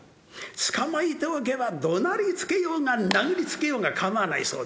捕まえておけばどなりつけようが殴りつけようが構わないそうでね。